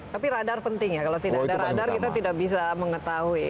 tapi radar penting ya kalau tidak ada radar kita tidak bisa mengetahui